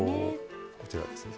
こちらですね。